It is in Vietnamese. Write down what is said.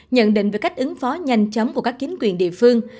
nhận định về cách ứng phó nhanh chóng của các chính quyền địa phương